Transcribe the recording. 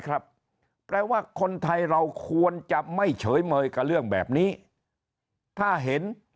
ครับแปลว่าคนไทยเราควรจะไม่เฉยเมยกับเรื่องแบบนี้ถ้าเห็น